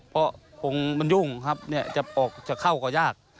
เพราะคงมันยุ่งครับจะออกจะเข้าก็ยาก